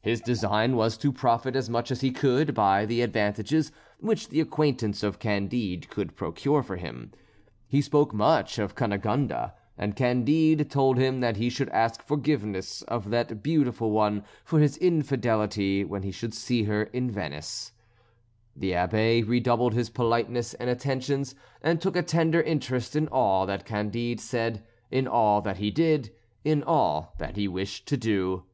His design was to profit as much as he could by the advantages which the acquaintance of Candide could procure for him. He spoke much of Cunegonde, and Candide told him that he should ask forgiveness of that beautiful one for his infidelity when he should see her in Venice. The Abbé redoubled his politeness and attentions, and took a tender interest in all that Candide said, in all that he did, in all that he wished to do.